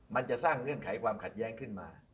มันจะสร้างเงื่อนไขความขัดแย้งขึ้นมา